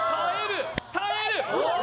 耐える。